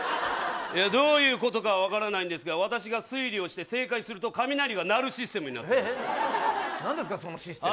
どういうことかは分からないんですが私が推理をして正解すると雷が鳴るシステムになんですかそのシステム。